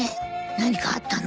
何かあったの？